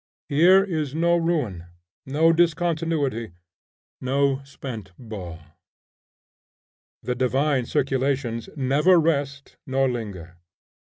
Here is no ruin, no discontinuity, no spent ball. The divine circulations never rest nor linger.